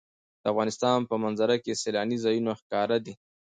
د افغانستان په منظره کې سیلاني ځایونه ښکاره دي.